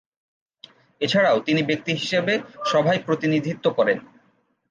এছাড়াও তিনি ব্যক্তি হিসেবে সভায় প্রতিনিধিত্ব করেন।